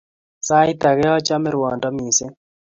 Sait ake achame rwondo missing'